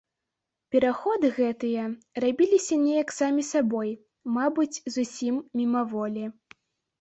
Пераходы гэтыя рабіліся неяк самі сабой, мабыць, зусім мімаволі.